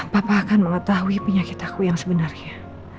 papa akan mengetahui penyakit aku yang sebenarnya